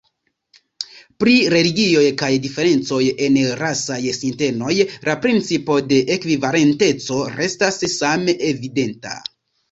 Pri religioj kaj diferencoj en rasaj sintenoj, la principo de ekvivalenteco restas same evidenta.